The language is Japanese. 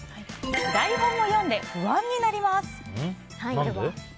台本を読んで不安になります！